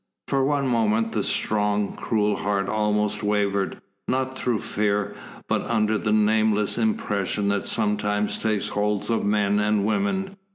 For one moment the strong, cruel heart almost wavered, not through fear, but under the nameless impression that sometimes takes hold of men and women.